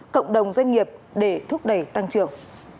cộng đồng doanh nghiệp để thúc đẩy tăng trưởng